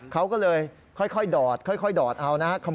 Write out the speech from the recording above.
เขาก็เลยค่อยดอดค่อยดอดเอานะครับ